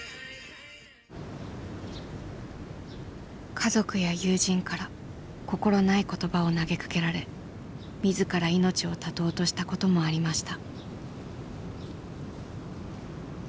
家族や友人から心ない言葉を投げかけられ自ら命を絶とうとしたこともありました。